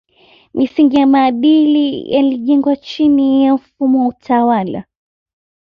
Misingi ya maadili yalijengwa chini ya mfumo wa utawala